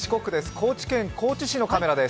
高知県高知市のカメラです。